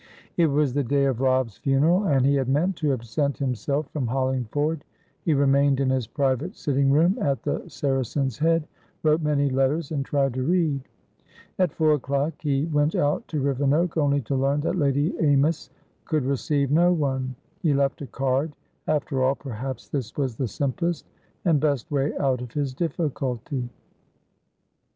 It was the day of Robb's funeral, and he had meant to absent himself from Hollingford. He remained in his private sitting room at the Saracen's Head, wrote many letters, and tried to read. At four o'clock he went out to Rivenoak, only to learn that Lady Amys could receive no one. He left a card. After all, perhaps this was the simplest and best way out of his difficulty.